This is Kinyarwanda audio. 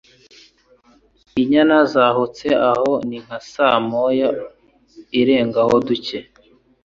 Inyana zahutse aho ni nka saa moya irengaho duke